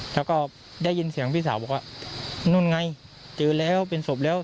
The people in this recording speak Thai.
แล้วก็ได้ยินเสียงพี่สาวบอกว่านู่นไงเจอแล้วเป็นศพแล้ว